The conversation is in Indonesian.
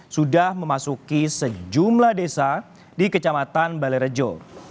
sudah memasuki sejumlah desa di kecamatan balerejo